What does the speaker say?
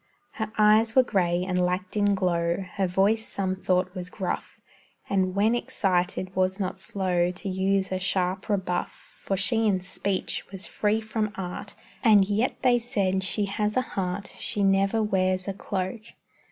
Her eyes were gray and lacked in glow, Her voice some thought was gruff, And when excited was not slow To use a sharp rebuff; For she in speech was free from art; Men feared her verbal stroke, And yet they said, "She has a heart; She never wears a cloak."